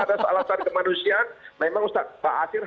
atas alasan kemanusiaan memang ustaz fahasyid